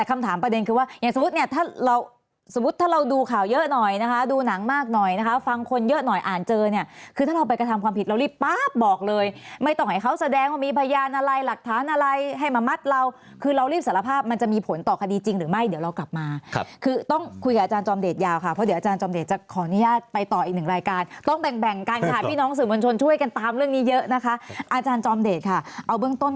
มีพยานอะไรหลักฐานอะไรให้มามัดเราคือเรารีบสารภาพมันจะมีผลต่อคดีจริงหรือไม่เดี๋ยวเรากลับมาครับคือต้องคุยกับอาจารย์จอมเดชน์ยาวค่ะเพราะเดี๋ยวอาจารย์จอมเดชน์จะขออนุญาตไปต่ออีกหนึ่งรายการต้องแบ่งแบ่งกันค่ะพี่น้องสื่อมวลชนช่วยกันตามเรื่องนี้เยอะนะคะอาจารย์จอมเดชน์ค่ะเอาเ